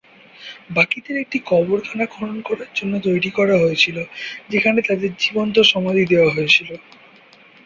বাকিদের একটি কবর খনন করার জন্য তৈরি করা হয়েছিল যেখানে তাদের জীবন্ত সমাধি দেওয়া হয়েছিল।